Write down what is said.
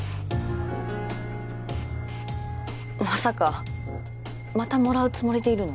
まさかまたもらうつもりでいるの？